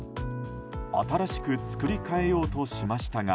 新しく作り替えようとしましたが。